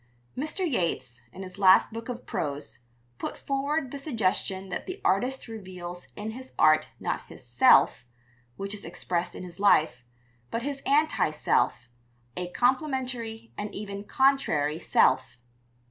Mr. Yeats, in his last book of prose, put forward the suggestion that the artist reveals in his art not his "self" (which is expressed in his life), but his "anti self," a complementary and even contrary self.